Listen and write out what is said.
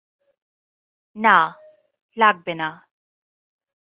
না, লাগবেনা।